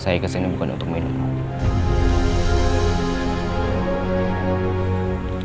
saya kesini bukan untuk minum